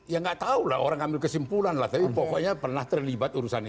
ya nggak tahu lah orang ambil kesimpulan lah tapi pokoknya pernah terlibat urusan itu